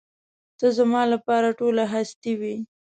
ته زما لپاره ټوله هستي وې.